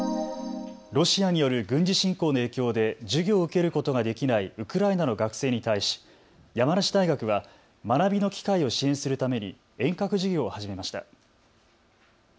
ロシアによる軍事侵攻の影響で授業を受けることができないウクライナの学生に対し山梨大学は学びの機会を支援するために遠隔授業を始めました。